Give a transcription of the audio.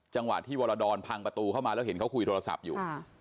จังหวะที่วรดรพังประตูเข้ามาแล้วเห็นเขาคุยโทรศัพท์อยู่